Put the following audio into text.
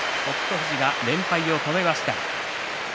富士、連敗を止めました。